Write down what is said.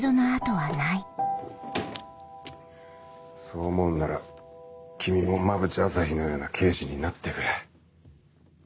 そう思うんなら君も馬淵朝陽のような刑事になってくれ。